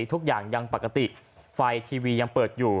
ทุกอย่างยังปกติไฟทีวียังเปิดอยู่